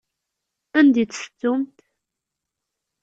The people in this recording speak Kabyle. Anda i tt-tettumt?